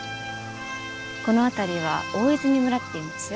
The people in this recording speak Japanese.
この辺りは大泉村っていうんですよ。